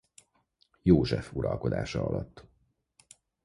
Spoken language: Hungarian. József uralkodása alatt.